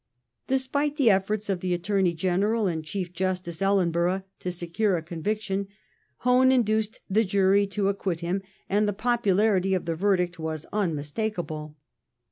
Despite the efforts of the Attorney General and Chief Justice EUenborough to secure a conviction. Hone induced the jury to acquit him, and the popularity of the verdict was unmistakable.